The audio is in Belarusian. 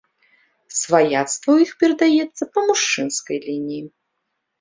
Сваяцтва ў іх перадаецца па мужчынскай лініі.